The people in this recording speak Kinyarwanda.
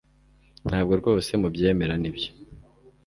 Ntabwo rwose mubyemera nibyo